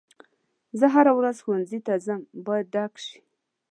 زه هره ورځ ښوونځي ته ځم باید ډک شي.